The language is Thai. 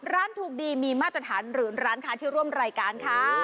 ร้านถูกดีมีมาตรฐานหรือร้านค้าที่ร่วมรายการค่ะ